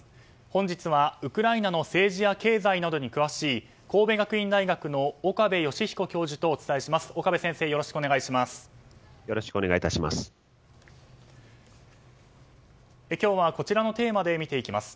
本日はウクライナの政治や経済などに詳しい神戸学院大学の岡部芳彦教授とお伝えします。